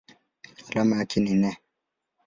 Alama yake ni Ne.